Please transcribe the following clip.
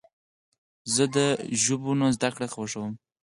زه د ژبونو زدهکړه خوښوم.